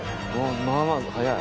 まあまあ速い。